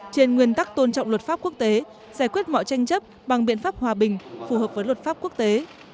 trên nguyên tắc tôn trọng luật pháp quốc tế giải quyết mọi tranh chấp bằng biện pháp hòa bình phù hợp với luật pháp quốc tế